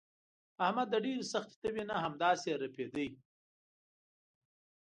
احمد د ډېرې سختې تبې نه همداسې ړپېدا.